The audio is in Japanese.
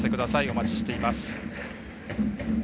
お待ちしています。